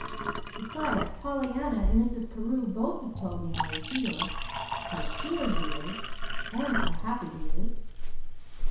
Besides, Pollyanna and Mrs. Carew both have told me how he feels, how SURE he is, and how happy he is.